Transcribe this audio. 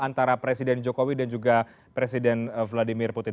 antara presiden jokowi dan juga presiden vladimir putin